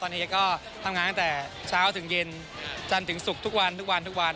ตอนนี้ก็ทำงานตั้งแต่เช้าถึงเย็นจันทร์ถึงศุกร์ทุกวัน